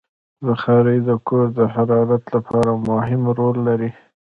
بخاري د کور د حرارت لپاره مهم رول لري.